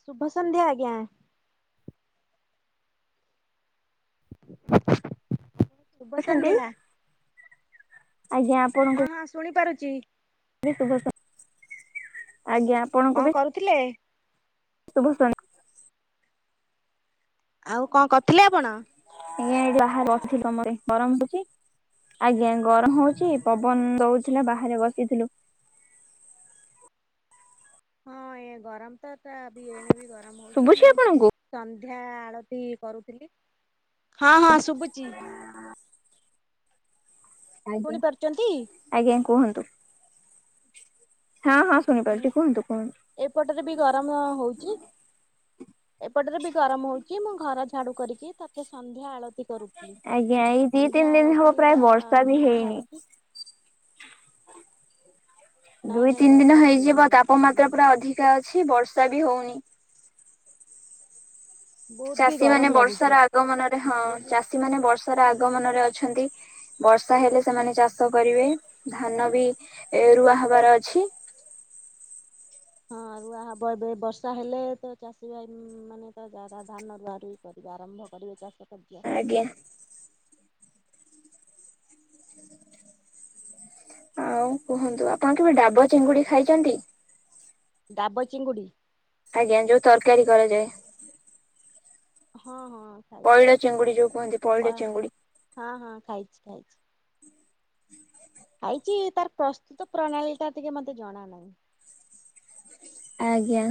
ଶୁଭ ସନ୍ଧ୍ୟା ଆଜ୍ଞା। ଶୁଭ କେମିତି ଅଛନ୍ତି ସନ୍ଧ୍ୟା ଆଜ୍ଞା ଆପଣଙ୍କୁ ହଁ ହଁ ଶୁଣି ପାରୁଚି। [inaudible] ଆଜ୍ଞା। ଆପଣଙ୍କୁ କଣ ବି କରୁଥିଲେ? ଶୁଭ ଶନ୍ଧ ଆଉ କଣ କରୁଥିଲେ ଆପଣ? ଆଜ୍ଞା ଏଠି ବାହାରେ ବସିଥିଲି [unintelligible] ଆଜ୍ଞା ଗରମ ହଉଛି ପବନ ଦଉଥିଲା ବାହାରେ ବସିଥିଲୁ। ହଁ ଏ ଗରମ ତ ତା ବି ଏଣେ ବି ଗରମ ହଉଛି ଶୁଭୁଛି ମୁଁ ଆପଣଙ୍କୁ? ସନ୍ଧ୍ୟା ଆଳତି କରୁଥିଲି। ହଁ ହଁ ଶୁଭୁଛି। ଆଜ୍ଞା ଶୁଣି ପାରୁଛନ୍ତି ଆଜ୍ଞା କୁହନ୍ତୁ। ହଁ ହଁ ମୁଁ ଶୁଣିପାରୁଛି କୁହନ୍ତୁ କୁହନ୍ତୁ। ଏପଟରେ ବି ଗରମ ହଉଛି। ଏପଟରେ ବି ଗରମ ହଉଛି। ମୁଁ ଘର ଝାଡୁ କରିକି ତାପରେ ସନ୍ଧ୍ୟା ଆଳତି କରୁଛି। ଆଜ୍ଞା ଏଇ ଦି ତିନି ଦିନ ହବ ପ୍ରାୟ ବର୍ଷା ବି ମାନେ ହେଇନି। ସାରିକି ନାଇଁ ଦୁଇ ନାଇଁ ତିନି ଦିନ ବର୍ଷା ବି ହେଇଯିବ ହେଇନି ଜମା ତାପମାତ୍ରା ବି। ପୁରା ଅଧିକା ଅଛି ବର୍ଷା ବି ହଉନି। ବହୁତ ବି ଚାଷୀ ଗରମ ମାନେ ଲାଗୁଛି ବର୍ଷାର ଆଗମନରେ ହଁ ଘରେ ବି ଚାଷୀ ମାନେ ବର୍ଷାର ଆଗମନରେ ଅଛନ୍ତି। ବର୍ଷା ହେଲେ ସେମାନେ ଚାଷ କରିବେ ଧାନ ବି ରୁଆ ହବାର ଅଛି। ହଁ ରୁଆ ହବ ବର୍ଷା ହେଲେ ତ ଚାଷୀ ଭାଇ ମାନେ ତ ଯା ଧାନ ରୁଆଁ ରୁଇଁ କରିବା ଆରମ୍ଭ କରିବେ ଚାଷ କାର୍ଯ୍ୟ। ଆଜ୍ଞା। ଆଉ କୁହନ୍ତୁ ଆପଣ କେବେ ଡାବ ଚିଙ୍ଗୁଡି ଖାଇଛନ୍ତି? ଡାବ ଚିଙ୍ଗୁଡ଼ି। ଆଜ୍ଞା ଯୋଉ ତରକାରୀ କରାଯାଏ। ହଁ ହଁ। ଖାଇଛି ପଇଡ ଚିଙ୍ଗୁଡି ଯୋଉ କୁହନ୍ତି ପଇଡ ଚିଙ୍ଗୁଡି। ହଁ ହଁ ଖାଇଛି ଖାଇଛି। ଖାଇଛି ତାର ପ୍ରସ୍ତୁତ ପ୍ରଣାଳୀଟା ଟିକେ ମତେ ଜଣା ନାହିଁ। ଆଜ୍ଞା।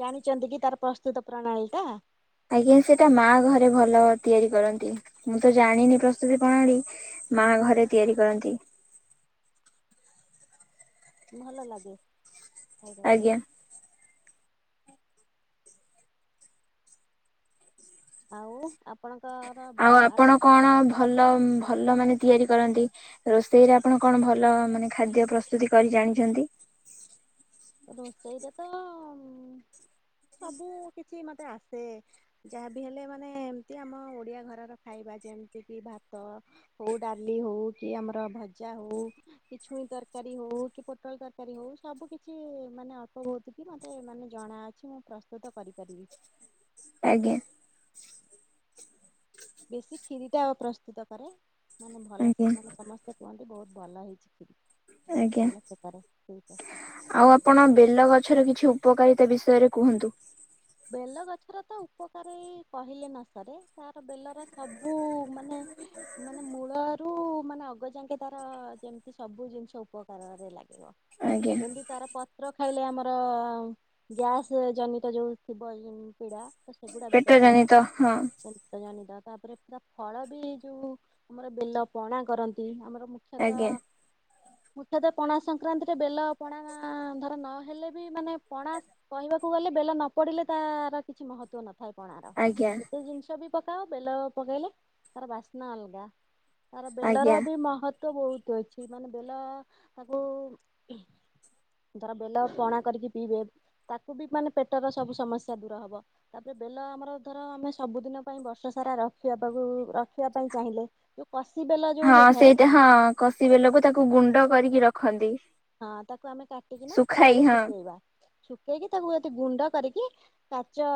ଜାଣିଛନ୍ତି କି ତାର ପ୍ରସ୍ତୁତ ପ୍ରଣାଳୀ ଟା? ଆଜ୍ଞା ସେଟା ମା ଘରେ ଭଲ ତିଆରି କରନ୍ତି ମୁଁ ତ ଜାଣିନି ପ୍ରସ୍ତୁତି ପ୍ରଣାଳୀ। ମା ଘରେ ତିଆରି କରନ୍ତି। ଭଲ ଲାଗେ ଖାଇବା ପାଇଁ। ଆଜ୍ଞା। ଆଉ ଆପଣଙ୍କ ଆଉ ଆପଣ କଣ ଭଲ ଭଲ ମାନେ ତିଆରି କରନ୍ତି? ରୋଷେଇରେ ଆପଣ କଣ ଭଲ ମାନେ ଖାଦ୍ୟ ପ୍ରସ୍ତୁତି କରି ଜାଣିଛନ୍ତି? ରୋଷେଇରେ ତ ସବୁ କିଛି ମତେ ଆସେ। ଯାହାବି ହେଲେ ମାନେ ଏମତି ଆମ ଓଡିଆ ଘରର ଖାଇବା ଯେମିତି କି ଭାତ ହଉ ଡାଲି ହଉ କି ଆମର ଭଜା ହଉ। କି ଛୁଇଁ ତରକାରୀ ହଉ କି ପୋଟଳ ତରକାରୀ ହଉ ସବୁ କିଛି କିଛି ମାନେ ଅଳ୍ପ ବହୁତ କି ମତେ ମାନେ ଜଣା ଅଛି ମୁଁ ପ୍ରସ୍ତୁତ କରିପାରିବି। ଆଜ୍ଞା। ବେଶୀ କ୍ଷିରିଟା ପ୍ରସ୍ତୁତ କରେ ମାନେ ଆଜ୍ଞା ଭଲସେ ମାନେ ସମସ୍ତେ କୁହନ୍ତି ବହୁତ ଭଲ ହେଇଛି ଆଜ୍ଞା କ୍ଷୀରିବହୁତ ଭଲ କରେ। ଆଉ ଆପଣ ବେଲଗଛର କିଛି ଉପକାରିତା ବିଷୟରେ କୁହନ୍ତୁ। ବେଲ ଗଛର ତ ଉପକାର କହିଲେ ନ ସରେ। ତାର ବେଲର ସବୁ ମାନେ ମାନେ ମୂଳରୁ ମାନେ ଅଗରୁ ଯାଙ୍କେ ତାର ଯେମିତି ସବୁ ଜିନିଷ ଉପକାରରେ ଲାଗେ। ଆଜ୍ଞା ଯେମତି ତାର ପତ୍ର ଖାଇଲେ ଆମର ଗ୍ୟାସ୍ ଜନିତ ଯୋଉ ଥିବ ଯେମି ପୀଡା। ପେଟ ଜନିତ। ହଁ। ପେଟ ଜନିତ ତାପରେ ପୁରା ଫଳ ବି ଯୋଉ ଆମର ବେଲ ପଣା କରନ୍ତି। ଆମର ସତ। ଆଜ୍ଞା ମୁଖ୍ୟତ ପଣା ସଂକ୍ରାନ୍ତିରେ ବେଲ ପଣା ଧର ନ ହେଲେ ବି ମାନେ ପଣା କହିବାକୁ ଗଲେ ବେଲ ନ ପଡିଲେ ତା ର କିଛି ମହତ୍ଵ ନ ଥାଏ ପଣାର। ଆଜ୍ଞା କେତେ ଜିନିଷ ବି ପକାଅ ବେଲାଅ ପକେଇଲେ ତାର ବାସ୍ନା ଅଲଗା। ତାର ଆଜ୍ଞା ବେଲର ବି ମହତ୍ୱ ତ ବହୁତ ଅଛି ମାନେ ବେଲ ତାକୁ ଧର ବେଲ ପଣା କରିକି ପିଇବେ ତାକୁ ବି ମାନେ ପେଟର ସବୁ ସମସ୍ୟା ଦୂର ହବ। ତା ପରେ ବେଲ ଆମର ଧର ଆମେ ସବୁଦିନ ପାଇଁ ବର୍ଷ ସାରା ରଖିବା ତାକୁ ରଖିବା ପାଇଁ ଚାହିଁଲେ। ଯୋଉ କଷି ବେଲ ଯୋଉ ହଁ ହେଇଥାଏ। ସେଇଟା ହଁ। କଷି ବେଲକୁ ତାକୁ ଗୁଣ୍ଡ କରିକି ରଖନ୍ତି। ହଁ ତାକୁ ଆମେ କାଟିକିନା ଶୁଖାଇ ଖରାରେ ହଁ ଶୁଖେଇବା। ଶୁଖେଇକି ତାକୁ ଯଦି ଗୁଣ୍ଡ କରିକି କାଚ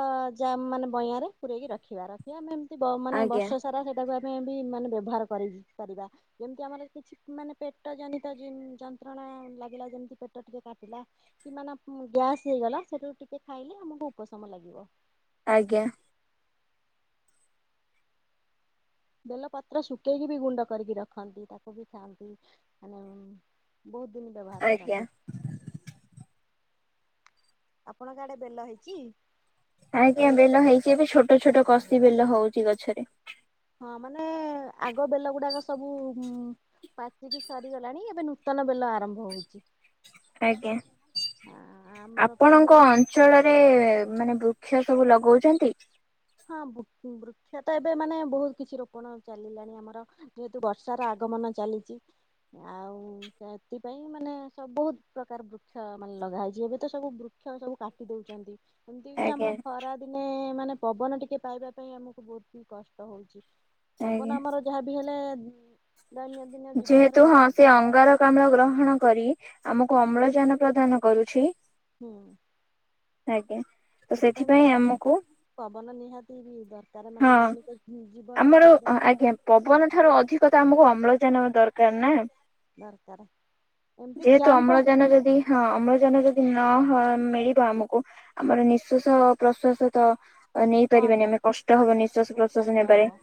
ଜା-ମାନେ ବଇଁଆରେ ପୂରେଇକି ରଖିବା। କି ଆମେ ଏମିତି ମାନେ ଆଜ୍ଞା ବର୍ଷ ସାରା ସେଇଟାକୁ ଆମେ ବି ମାନେ ବ୍ୟବହାର କରିବି ପାରିବା। ଯେମିତି ଆମର କିଛି ମାନେ ପେଟ ଜନିତ ଯ-ଯନ୍ତ୍ରଣା। ଲାଗିଲା ଯେମିତି ପେଟ ଟିକେ କାଟିଲା। କି ମାନ ଗ୍ୟାସ୍ ହେଇଗଲା ସେଇଟାକୁ ଟିକେ ଖାଇଲେ ଆମକୁ ଉପଶମ ଲାଗିବ। ଆଜ୍ଞା। ବେଲ ପତ୍ର ଶୁଖେଇକି ବି ଗୁଣ୍ଡ କରିକି ରଖନ୍ତି ତାକୁ ବି ଖାଆନ୍ତି। ବହୁତ ଦିନ ବ୍ୟବହାର ଆଜ୍ଞା କରନ୍ତି। ଆପଣ ଆଡେ ବେଲ ହେଇଛି। ଆଜ୍ଞା। ଏଇ ବେଲ ହେଇଛି। ଏବେ ଛୋଟ ଛୋଟ କଷି ବେଲ ହଉଛି ଗଛରେ। ହଁ ମାନେ ଆଗ ବେଲ ଗୁଡାକ ସବୁ ପାଚିକି ସରିଗଲାଣି ଏବେ ନୂତନ ବେଲ ଆରମ୍ଭ ହଉଛି। ଆଜ୍ଞା। ଆମର ବି ଆପଣଙ୍କ ବହୁତ ଅଞ୍ଚଳରେ ମାନେ ବୃକ୍ଷ ସବୁ ଲଗଉଛନ୍ତି। ହଁ ବୃ-ବୃକ୍ଷ ତ ଏବେ ମାନେ ବହୁତ କିଛି ରୋପଣ ଚାଲିଲାଣି ଆମର। ଯେହେତୁ ବର୍ଷାର ଆଗମନ ଚାଲିଛି। ଆଉ ସେଥିପାଇଁ ମାନେ ସବୁ ବହୁତ ପ୍ରକାର ବୃକ୍ଷ ମାନେ ଲଗା ହେଇଛି। ଏବେ ତ ସବୁ ବୃ ବୃକ୍ଷ ସବୁ କାଟି ଦଉଛନ୍ତି। ଏମିତି କିି ଆଜ୍ଞା ଆମର ଖରା ଦିନେ ମାନେ ପବନ ଟିକେ ପାଇବା ପାଇଁ ଆମକୁ ବହୁତି କଷ୍ଟ ହଉଚି। ପବନ ଆଜ୍ଞା ଆମର ଯାହା ବି ହେଲେ ଦୈନ ଯେହେତୁ ହଁ ସେ ଅଙ୍ଗାରକାମ୍ଳ ଗ୍ରହଣ କରି ଆମକୁ ଅମ୍ଳଜାନ ପ୍ରଦାନ କରୁଛି। ହୁଁ। ଆଜ୍ଞା। ତ ବି ସେଥିପାଇଁ ଆମ ଆମକୁ ପବନ ନିହାତି ବି ଦରକାର ହଁ ମାନେ ଦୈନିକ ଜୀବନରେ ଆମର ପବ ଆଜ୍ଞା ପବନ ଠାରୁ ଅଧିକ ତ ଆମକୁ ଅମ୍ଳଜାନ ଦରକାର ନା। ଦରକାର ଏମିତି ଯେହେତୁ ଫ୍ୟାନ ବ ଅମ୍ଳଜାନ ଯଦି ହଁ, ଅମ୍ଳଜାନ ଯଦି ନ ହଁ ମିଳିବ ଆମକୁ ଆମର ନିଃଶ୍ଵାସ ପ୍ରଶ୍ଵାସ ତ ଆଉ ନେଇ ବନ୍ଦ ପାରିବାନି ହେଇ ଆମକୁ କଷ୍ଟ ହବ ନିଶ୍ୱାସ ବହୁତ ପ୍ରଶ୍ଵାସ କଷ୍ଟ ନେବାରେ। ହବ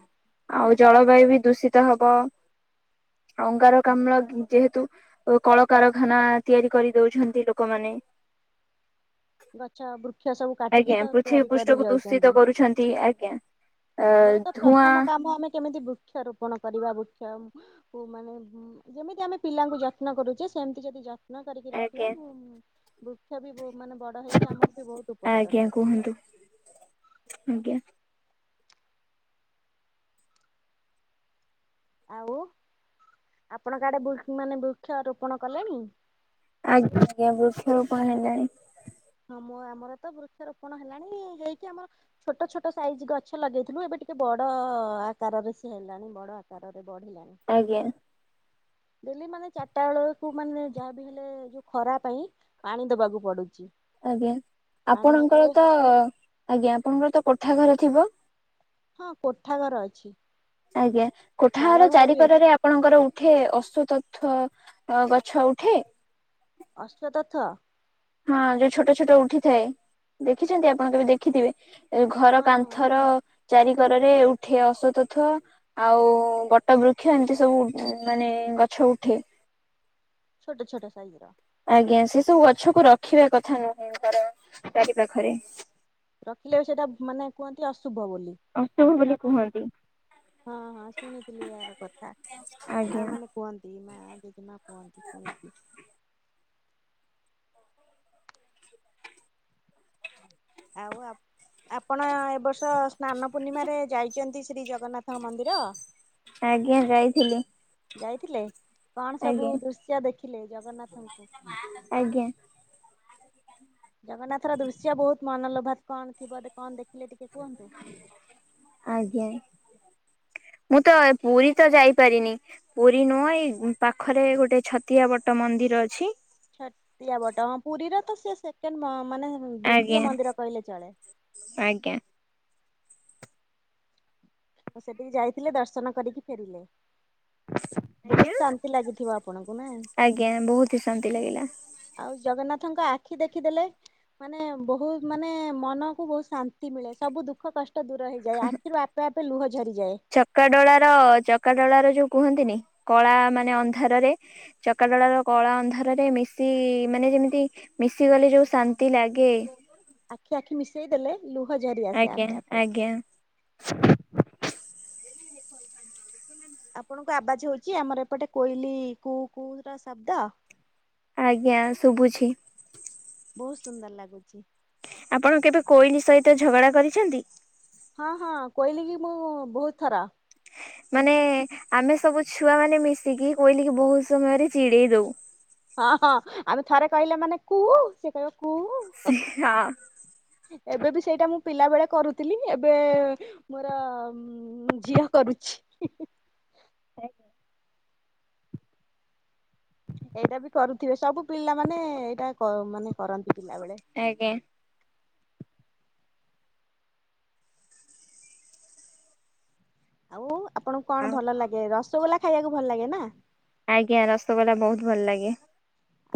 ଆଉ ଜଳବାୟୁ ବି ଦୂଷିତ ହବ। ଅଙ୍ଗାରକାମ୍ଳ ଯେହେତୁ କଳକାରଖାନା ତିଆରି କରିଦଉଛନ୍ତି ଲୋକମାନେ। ଗଛ ବୃକ୍ଷ ସବୁ କାଟିକି ଆଜ୍ଞା, ତ ତିଆରି ପୃଥିବୀ କରି ପୃଷ୍ଠକୁ ଯାଉଛନ୍ତି ଦୂଷିତ କରୁଛନ୍ତି। ଆ- - ଆମର ତ ପ୍ରଥମ କାମ ଆମେ କେମିତି ବୃକ୍ଷରୋପଣ କରିବା। ବୃକ୍ଷ ଆଉ ମାନେ- - ଯେମିତି ଆମେ ପିଲାଙ୍କୁ ଯତ୍ନ କରୁଚେ ସେମିତି ଯଦି ଯ ଯତ୍ନ କରିକି ରଖିବା ଆଜ୍ଞା ବୃକ୍ଷ ବି ବ ମାନେ ବଡ଼ ହେଇକି ଆମକୁ ବି ବହୁତ ଉପକାରରେ ଆଜ୍ଞା ଲାଗିବ। କୁହନ୍ତୁ ଆଜ୍ଞା ଆଉ, ଆପଣ କଆଡ଼େ ମାନେ ବୃକ୍ଷ ରୋପଣ କଲେଣି। ଆଜ୍ଞା ଆଜ୍ଞା ବୃକ୍ଷର କଣ ହେଲାଣି। ହଁ ଆମର ତ ବୃକ୍ଷରୋପଣ ହେଲାଣି ଯାଇକି ଆମର ଛୋଟ ଛୋଟ ସାଇଜ ଗଛ ଲଗେଇଥିଲୁ ଏବେ ଟିକେ ବଡ଼ ଆକାରରେ ସି ହେଲାଣି ବଡ଼ ଆକାର ରେ ବଢିଲାଣି। ଆଜ୍ଞା ଡେଲି ମାନେ ଚାରିଟା ବେଳକୁ ମାନେ ଯାହାବି ହେଲେ ଯୋଉ ଖରା ପାଇଁ ପାଣି ଦବାକୁ ପଡୁଚି। ଆଜ୍ଞା, ଆପଣଙ୍କର ତ ଆଜ୍ଞା ଆପଣଙ୍କର ତ କୋଠା ଘର ଥିବ। ହଁ କୋଠା ଘର ଅଛି। ଆଜ୍ଞା, ଚାଳ କୋଠାହାର ଘର ବି ଅଛି ଚାରିିକରରେ ଆପଣଙ୍କର ଉଠେ ଅଶ୍ୱତଥ ଗଛ ଉଠେ? ଅଶତଥ। ହଁ ଯୋଉ ଛୋଟ ଛୋଟ ଉଠିଥାଏ। ଦେଖିଛନ୍ତି ଆପଣ କେବେ ଦେଖିଥିବେ। ଏଇ ଘର ହଁ ହଁ କାନ୍ଥର ଚାରିିକରରେ ଉଠେ ଅଶ୍ୱତଥ। ଆଉ ବଟ ବୃକ୍ଷ ଏମିତି ସବୁ ମାନେ ଗଛ ଉଠେ। ଛୋଟ ଛୋଟ ସାଇଜିର। ଆଜ୍ଞା, ସେ ସବୁ ଗଛକୁ ରଖିବା କଥା ନୁହେଁ? ତାର, ଚାରି ପାଖରେ। ରଖିଲେ ବି ସେଇଟା ମାନେ କୁହନ୍ତି ଅଶୁଭ ବୋଲି। ଅଶୁଭ ବୋଲି କୁହନ୍ତି। ହଁ ହଁ ଶୁଣିଥିଲି ଏହାର କଥା। ମା ଆଜ୍ଞା ମାନେ - - କୁଅନ୍ତି, ମା ଜେଜେ ମା କୁଅନ୍ତି। ପୁଣି ଆଉ ଆପ ଆପଣ ଏବ ବର୍ଷ ସ୍ନାନ ପୂର୍ଣ୍ଣିମାରେ ଯାଇ- - ଯେମିତି ଶ୍ରୀ ଜଗନ୍ନାଥ ମନ୍ଦିର ଆଜ୍ଞା ଯାଇଥିଲି। ଯାଇଥିଲେ, କଣ ସବୁ ଆଜ୍ଞା ଦୃଶ୍ୟ ଦେଖିଲେ ଜଗନ୍ନାଥଙ୍କୁ? ଆଜ୍ଞା ଜଗନ୍ନାଥ ର ଦୃଶ୍ୟ ବହୁତ ମନଲୋଭା କଣ ଥିବ କଣ ଦେଖିଲେ ଟିକେ କୁହନ୍ତୁ? ଆଜ୍ଞା, ମୁଁ ତ ପୁରୀ ତ ଯାଇପାରିନି। ପୁରୀ ନୁଅଁ ଏଇ ପାଖରେ ଗୋଟେ ଛତିଆ ବଟ ମନ୍ଦିର ଅଛି। ଛଟିଆ ବଟ ହଁ ପୁରୀର ତ ସେ ସେକେଣ୍ଡ ମାନେ ଆଜ୍ଞା ଦ୍ଵିତୀୟ ମନ୍ଦିର କହିଲେ ଚଳେ। ଆଜ୍ଞା ସେଠି ଯାଇଥିଲେ ଦର୍ଶନ କରିକି ଫେରିଲେ, ଆଜ୍ଞା। ବହୁତ ଶାନ୍ତି ଲାଗିଥିବ ଆ - - ପଣଙ୍କୁ ନା। ଆଜ୍ଞା, ବହୁତ ହି ଶାନ୍ତି ଲାଗିଲା। ଆଉ ଜଗନ୍ନାଥଙ୍କ ଆଖି ଦେଖିଦେଲେ - - ମାନେ ବହୁତ ମାନେ ମନ ବହୁତ ଶାନ୍ତି ମିଳେ ସବୁ ଦୁଃଖ କଷ୍ଟ ଦୂର ହେଇ- - ଯାଏ। ଆଖିରୁ ଆପେ ଆପେ ଲୁହ ଝରିଯାଏ। ଚକାଡଳାର ଚକାଡଳାର ଯୋଉ କୁହନ୍ତିନି। କଳା ମାନେ ଅନ୍ଧାରରେ ଚକାଡଳାର କଳା ଅନ୍ଧାରରେ ମିଶି ମାନେ ଯେମିତି ମିଶିଗଲେ ଯୋଉ ଶାନ୍ତି ଲାଗେ ଆଖି ଆଖି ମିଶେଇ ଦେଲେ ଲୁହ ଝରି ଆସେ ଆପେ ଆପେ। ସ୍ ଆପଣଙ୍କୁ ଆବାଜ ହୋଉଚି ଆମର ଏପଟେ କୋଇଲି କୁହୁ କୁହୁ ର ଶବ୍ଦ? ଆଜ୍ଞା ଶୁଭୁଛି। ବହୁତ ସୁନ୍ଦର ଲାଗୁଚି। ଆପଣ କେବେ କୋଇଲି ସହିତ ଝଗଡା କରିଛନ୍ତି? ହଁ ହଁ କହିଲି କି ମୁଁ ବହୁତ ଥରା ମାନେ ଆମେ ସବୁ ଛୁଆ ମାନେ ମିଶିକି କୋଇଲିକି ବହୁତ ସମୟରେ ଚିଡେଇ ଦୋଉ। ହଁ ହଁ ଆମେ ଥରେ କହିଲେ ମାନେ କୁହୁ ସେ କହିବ କୁହୁ। ହଁ। ଏବେ ବି ସେଇଟା ମୁଁ ପିଲା ବେଳେ କରୁଥିଲି ଏବେ ମୋର ହୁଁ ଝିଅ କରୁଚି। ଆ ଏଇଟା ବି କରୁଥିବେ ସବୁ ପିଲାମାନେ ଏଇଟା ମାନେ କରନ୍ତି ପିଲା ବେଳେ। ଆଜ୍ଞା। ଆଉ ଆପଣଙ୍କୁ କଣ ଭଲ ଲାଗେ ରସଗୋଲା ଖାଇବାକୁ ଭଲ ଲାଗେ ନା? ଆଜ୍ଞା ରସଗୋଲା ବହୁତ ଭଲ ଲାଗେ।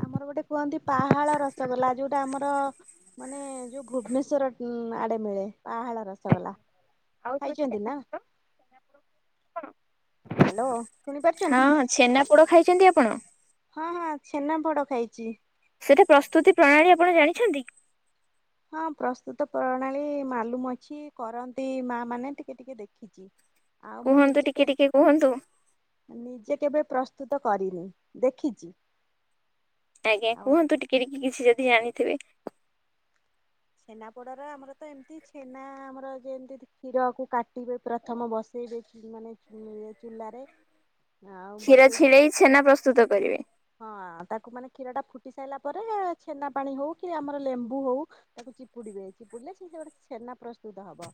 ଆମର ଗୋଟେ କୁହନ୍ତି ପାହାଳ ରସଗୋଲା ଯୋଉଟା ଆମର ମାନେ ଯୋଉ ଭୁବନେଶ୍ଵର ଆଡେ ମିଳେ ପାହାଳ ରସଗଲା। ଆଉ ଯୋଉ ଖାଇଚନ୍ତି ନା? ଛେନାପୋଡ ଛେନା ପୋଡ ଖାଇଚନ୍ତି ଆପଣ? ହଁ ହଁ ଛେନାପୋଡ ଖାଇଚି। ସେଟା ପ୍ରସ୍ତୁତି ପ୍ରଣାଳୀ ଆପଣ ଜାଣିଛନ୍ତି? ହଁ ପ୍ରସ୍ତୁତ ପ୍ରଣାଳୀ ମାଲୁମ୍ ଅଛି କରନ୍ତି ମା ମାନେ ଟିକେ ଟିକେ ଦେଖିଚି। ଆଉ ମୁଁ କୁହନ୍ତୁ ନିଜେ ଟିକେ କେ ଟିକେ କୁହନ୍ତୁ। ନିଜେ କେବେ ପ୍ରସ୍ତୁତ କରିନି ଦେଖିଚି। ଆଜ୍ଞା କୁହନ୍ତୁ ଟିକେ ଟିକେ କିଛି ଯଦି ଜାଣିଥିବେ। ଛେନାପୋଡ଼ର ଆମର ତ ଏମିତି ଛେନା ଆମର ଯେମିତି କ୍ଷୀରକୁ କାଟିବେ ପ୍ରଥମ ବସେଇବେ ମାନେ ଇ ଚୁଲାରେ ଆଉ କ୍ଷୀର ବସେଇକି ଛିଡେଇ ଛେନା ପ୍ରସ୍ତୁତ କରିବେ ହଁ ତାକୁ ମାନେ କ୍ଷୀର ଟା ଫୁଟି ସାରିଲା ପରେ ଛେନା ପାଣି ହୋଉ କି ଆମର ଲେମ୍ବୁ ହୋଉ ତାକୁ ଚିପୁଡିବେ ଚିପୁଡିଲେ ସେ ସେ ଗୋଟେ ଛେନା ପ୍ରସ୍ତୁତ ହବ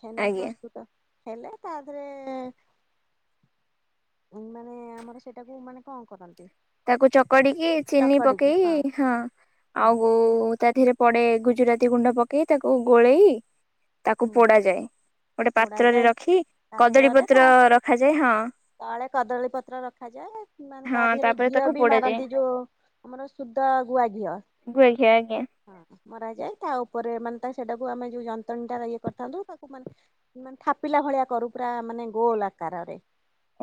ଛେନା ଆଜ୍ଞା ପ୍ରସ୍ତୁତ ହେଲେ ତା ପରେ ମାନେ ଆମର ସେଇଟାକୁ ମାନେ କଣ କରନ୍ତି? ତାକୁ ଚକଡିକି ଚିନି ପକେଇ ହଁ ଆଉ ହୁଁ ତାଥିରେ ପଡେ ଗୁଜୁରାତି ଗୁଣ୍ଡ ପକେଇ ତାକୁ ଗୋଳେଇ ତାକୁ ହୁଁ ପୋଡ ଯାଏ। ଗୋଟେ ପାତ୍ରରେ ପୋଡାଯାଏ ରଖି କଦଳୀ ପାତ୍ରରେ ତା ପତ୍ର ରଖାଯାଏ ହଁ। ତଳେ କଦଳୀ ପତ୍ର ରଖାଯାଏ ନଲେ ତା ହଁ ଦେହରେ ତାପରେ ଘିଅ ତାକୁ ଦି ବି ପୋଡାଯାଏ। ମାରନ୍ତି ଯୋଉ ଆମର ଶୁଦ୍ଧ ଗୁଆ ଘିଅ। ଗୁଆଘିଅ ଆଜ୍ଞା ହଁ ମରା ଯାଏ ତା ଉପରେ ମାନେ ତା ସେଟାକୁ ଆମେ ଯୋଉ ଯନ୍ତୁଆଣ ଇଏ କରିଥାନ୍ତୁ ତାକୁ ମାନେ ମାନେ ଥାପିଲା ଭଳିଆ କରୁ ପୁରା ମାନେ ଗୋଲ ଆକାରରେ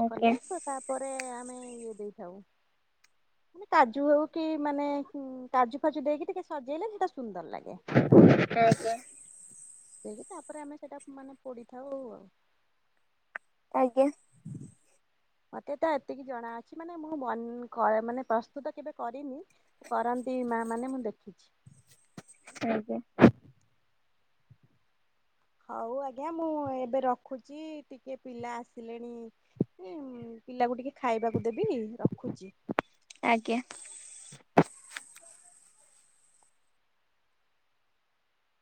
ଆଜ୍ଞା କଲେ ତ ତାପରେ ଆମେ ଇଏ ଦେଇଥାଉ। ମାନେ କାଜୁ ହୋଉ କି ମାନେ ଉ କାଜୁ ଫାଜୁ ଦେଇକି ଟିକେ ସଜେଇଲେ ସେଇଟା ସୁନ୍ଦର ଲାଗେ। ଆଚ୍ଛା। ଦେଇକି ତାପରେ ଆମେ ସେଇଟା ମାନେ ପଡ଼ିଥାଉ ଆଉ ଆଜ୍ଞା ମତେ ତ ଏତିକି ଜଣାଅଛି ମାନେ ମୁଁ ମାନେ ପ୍ରସ୍ତୁତ କେବେ କରିନି କରନ୍ତି ମା ମାନେ ମୁଁ ଦେଖିଛି ଆଜ୍ଞା ହଉ ଆଜ୍ଞା ମୁଁ ଏବେ ରଖୁଛି ଟିକେ ପିଲା ଆସିଲେଣି ପିଲାକୁ ଟିକେ ଖାଇବାକୁ ଦେବି ରଖୁଛି। ଆଜ୍ଞା।